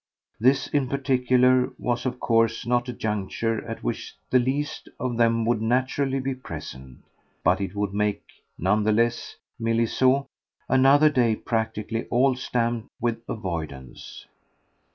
This in particular was of course not a juncture at which the least of them would naturally be present; but it would make, none the less, Milly saw, another day practically all stamped with avoidance.